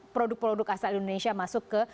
produk produk asal indonesia masuk ke